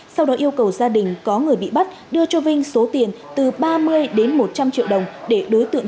sau đó yêu cầu gia đình có người bị bắt đưa cho vinh số tiền từ ba mươi đến một trăm linh triệu đồng để đối tượng